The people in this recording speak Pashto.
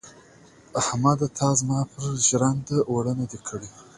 احمده تا زما پر ژرنده اوړه نه دې کړي.